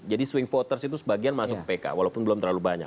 jadi swing voters itu sebagian masuk pks walaupun belum terlalu banyak